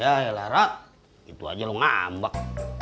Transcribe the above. hai ya ya lara itu aja ngambek